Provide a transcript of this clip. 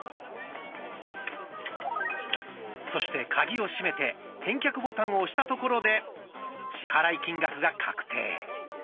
そしてカギを閉めて返却ボタンを押したところで支払い金額が確定。